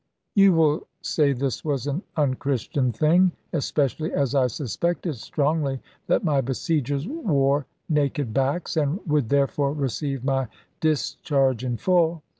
You will say this was an unchristian thing, especially as I suspected strongly that my besiegers wore naked backs, and would therefore receive my discharge in full.